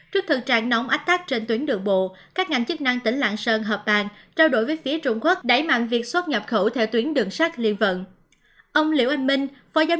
trước thực trạng nóng ách tác trên tuyến đường bộ các ngành chức năng tỉnh làng sơn hợp bàn trao đổi với phía trung quốc đẩy mạng việc xuất nhập khẩu theo tuyến đường sát liên vận